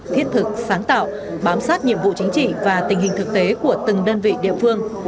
thiết thực sáng tạo bám sát nhiệm vụ chính trị và tình hình thực tế của từng đơn vị địa phương